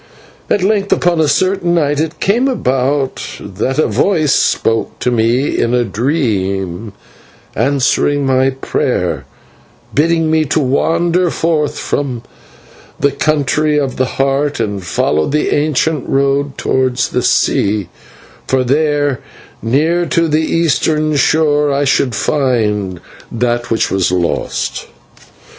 At length upon a certain night it came about that a voice spoke to me in a dream answering my prayer, bidding me to wander forth from the country of the Heart and follow the ancient road towards the sea, for there near to the eastern shore I should find that which was lost.